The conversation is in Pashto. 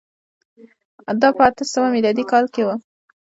دا په اته سوه میلادي کال کي و.